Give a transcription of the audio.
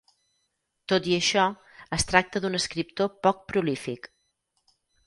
Tot i això, es tracta d'un escriptor poc prolífic.